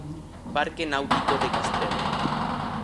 Parque Náutico de Castrelo.